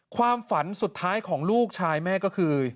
ความฝันสุดท้ายของลูกชายแม่ก็คือ